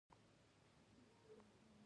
یوازې او یوازې درواغ په کې خرڅېږي.